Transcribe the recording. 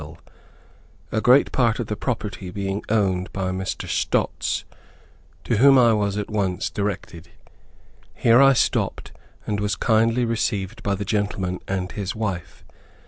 ] a great part of the property being owned by a Mr. Stots, to whom I was at once directed. Here I stopped, and was kindly received by the gentleman and his wife.